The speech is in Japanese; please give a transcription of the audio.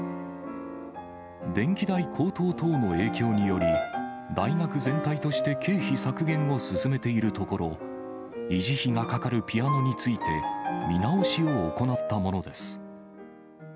電気代高騰等の影響により、大学全体として経費削減を進めているところ、維持費がかかるピアノについて、見直しを行ったものです。